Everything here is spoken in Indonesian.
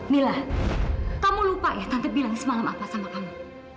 mila kamu lupa ya tante bilang semalam apa sama kamu